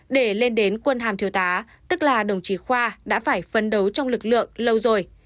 để lên đến quân hàm thiếu tá tức là đồng chí khoa đã phải phấn đấu trong lực lượng lâu rồi